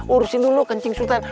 urusin dulu kancing sultan